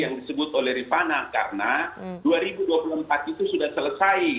yang disebut oleh rifana karena dua ribu dua puluh empat itu sudah selesai